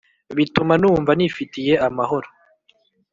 Bituma numva nifitiye amahoro